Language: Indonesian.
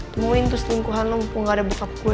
temuin terus lingkuhan lo mumpung gak ada bokap gue